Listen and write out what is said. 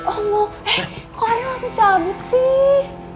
eh kok ada yang langsung cabut sih